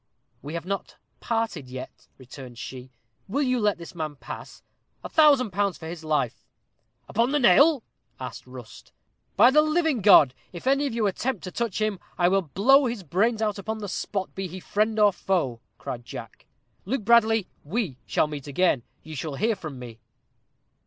"We have not parted yet," returned she; "will you let this man pass? A thousand pounds for his life." "Upon the nail?" asked Rust. "By the living God, if any of you attempt to touch him, I will blow his brains out upon the spot, be he friend or foe," cried Jack. "Luke Bradley, we shall meet again. You shall hear from me."